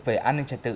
về an ninh trật tự